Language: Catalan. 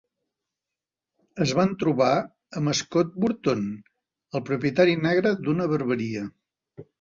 Es van trobar amb Scott Burton, el propietari negre d'una barberia.